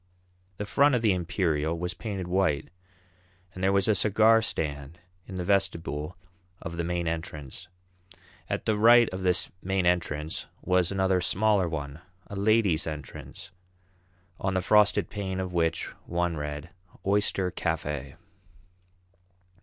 The front of the Imperial was painted white, and there was a cigar stand in the vestibule of the main entrance. At the right of this main entrance was another smaller one, a ladies' entrance, on the frosted pane of which one read, "Oyster Cafe."